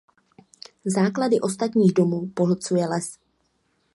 Základy ostatních domů pohlcuje les.